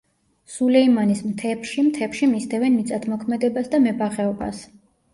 სულეიმანის მთებში მთებში მისდევენ მიწათმოქმედებას და მებაღეობას.